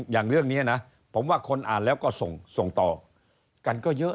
อย่างเรื่องนี้นะผมว่าคนอ่านแล้วก็ส่งต่อกันก็เยอะ